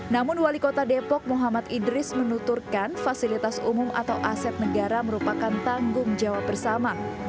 namun wali kota depok muhammad idris menuturkan fasilitas umum atau aset negara merupakan tanggung jawab bersama